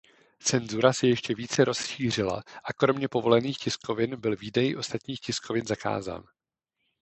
Cenzura se ještě více rozšířila a kromě povolených tiskovin byl výdej ostatních tiskovin zakázán.